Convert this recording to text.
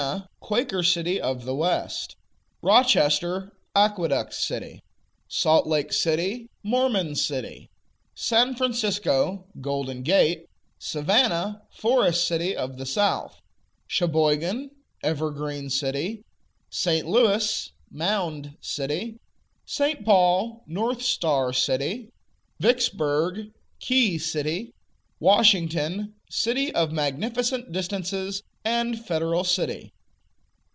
Quaker City of the West; Rochester, Aqueduct City; Salt Lake City, Mormon City; San Francisco, Golden Gate; Savannah, Forest City of the South; Sheboygan, Evergreen City; St. Louis, Mound City; St. Paul, North Star City; Vicksburg, Key City; Washington, City of Magnificent Distances, and Federal City.